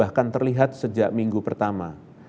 bahkan terlihat sejak minggu pertama